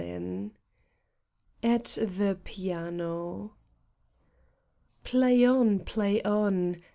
65 AT THE PIANO. LAY on ! Play on